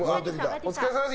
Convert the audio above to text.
お疲れさまです